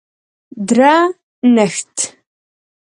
درنښت